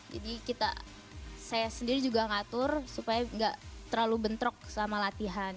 jadi kita saya sendiri juga ngatur supaya gak terlalu bentrok sama latihan